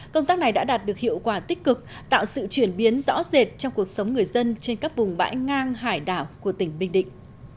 công tác này đã đạt được hiệu quả tích cực tạo sự chuyển biến rõ rệt trong cuộc sống người dân trên các vùng bãi ngang hải đảo của tỉnh bình định